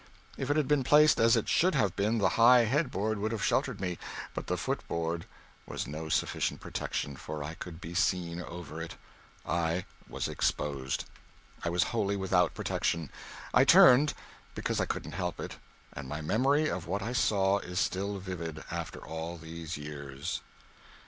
If it had been placed as it should have been, the high headboard would have sheltered me. But the footboard was no sufficient protection, for I could be seen over it. I was exposed. I was wholly without protection. I turned, because I couldn't help it and my memory of what I saw is still vivid, after all these years.